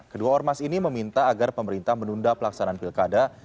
kedua ormas ini meminta agar pemerintah menunda pelaksanaan pilkada